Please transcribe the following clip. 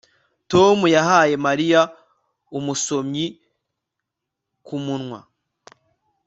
Tom yahaye Mariya umusomyi ku munwa